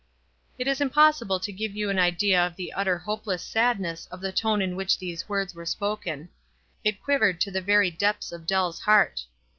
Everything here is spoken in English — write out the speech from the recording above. It is impossible to give } r ou an idea of the utter hopeless sadness of the tone in which these word3 were spoken. It quivered to the very depths of Dell's heart.